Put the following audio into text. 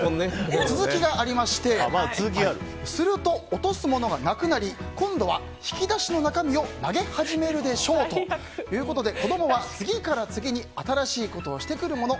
続きがありましてすると、落とすものがなくなり今度は引き出しの中身を投げ始めるでしょうということで子供は次から次に新しいことをしてくるもの。